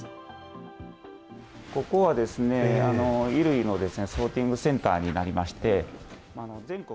ここは衣類のソーティングセンターになりまして。